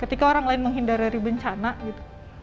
ketika orang lain menghindari bencana gitu